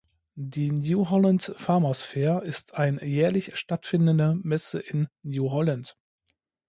Die "New Holland Farmers Fair" ist ein jährlich stattfindende Messe in New Holland.